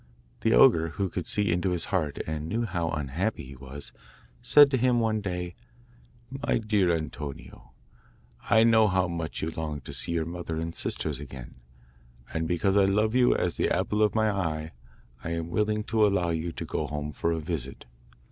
The ogre, who could see into his heart and knew how unhappy he was, said to him one day: 'My dear Antonio, I know how much you long to see your mother and sisters again, and because I love you as the apple of my eye, I am willing to allow you to go home for a visit.